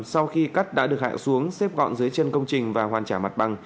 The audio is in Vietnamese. sau khi cắt đã được hạ xuống xếp gọn dưới chân công trình và hoàn trả mặt bằng